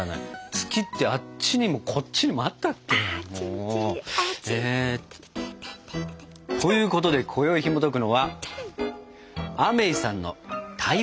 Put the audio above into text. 月ってあっちにもこっちにもあったっけ？ということでこよいひもとくのは「アメイさんの台湾カステラ」。